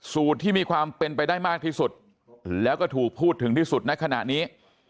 ที่มีความเป็นไปได้มากที่สุดแล้วก็ถูกพูดถึงที่สุดในขณะนี้